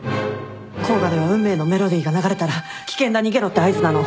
甲賀では『運命』のメロディーが流れたら「危険だ逃げろ」って合図なの。